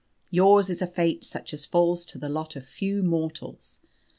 Yours is a fate such as falls to the lot of few mortals.